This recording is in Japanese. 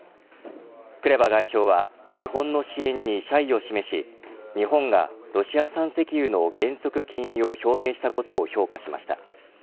クレバ外相は日本の支援に謝意を示し日本がロシア産石油の原則禁輸を表明したことを評価しました。